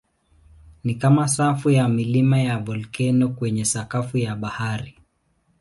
Ni kama safu ya milima ya volkeno kwenye sakafu ya bahari.